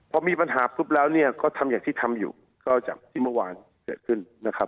พอมีปัญหาปุ๊บแล้วเนี่ยก็ทำอย่างที่ทำอยู่ก็จากที่เมื่อวานเกิดขึ้นนะครับ